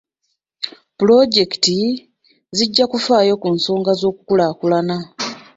Pulojekiti zijja kufaayo ku nsonga z'okukulaakulana.